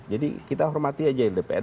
jadi kita hormati saja dpn